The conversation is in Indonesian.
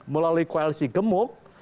melalui koalisi gemuk